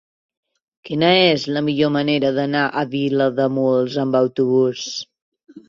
Quina és la millor manera d'anar a Vilademuls amb autobús?